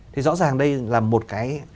thì rõ ràng đây là một cái